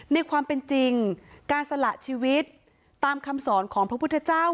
ในความเป็นจริงการสละชีวิตตามคำสอนของพระพุทธเจ้า